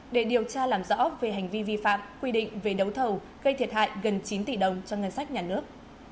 để điều tra làm rõ về hành vi vi phạm quy định về đấu thầu gây thiệt hại gần chín tỷ đồng cho ngân sách nhà nước